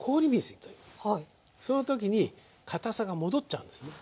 その時にかたさが戻っちゃうんですね。